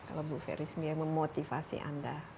apa yang memotivasi anda